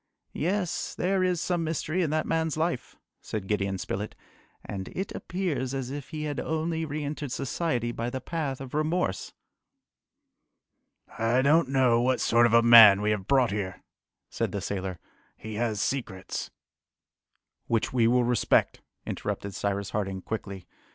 "Yes! there is some mystery in that man's life," said Gideon Spilett, "and it appears as if he had only re entered society by the path of remorse." "I don't know what sort of a man we have brought here," said the sailor. "He has secrets " "Which we will respect," interrupted Cyrus Harding quickly.